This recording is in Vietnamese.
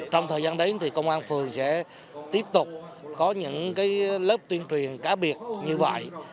trong thời gian đấy thì công an phường sẽ tiếp tục có những lớp tuyên truyền cá biệt như vậy